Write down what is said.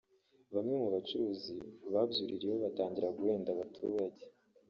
Bamwe mu bacuruzi babyuririyeho batangira guhenda abaturage